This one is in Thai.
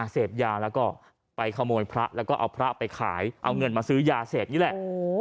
เสพยาแล้วก็ไปขโมยพระแล้วก็เอาพระไปขายเอาเงินมาซื้อยาเสพนี่แหละ